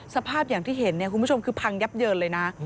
สภาพอย่างที่เห็นเนี่ยคุณผู้ชมคือพังยับเยินเลยนะ